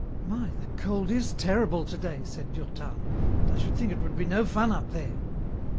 "My, the cold is terrible today," said Durtal, "and I should think it would be no fun up there."